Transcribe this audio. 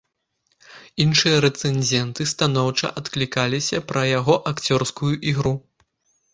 Іншыя рэцэнзенты станоўча адклікаліся пра яго акцёрскую ігру.